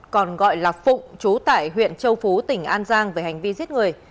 còn gọi là phụng chú tại huyện châu phú tỉnh an giang về hành vi giết người